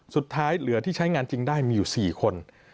สุดท้ายเหลือที่ใช้งานจริงได้มีอยู่๔คน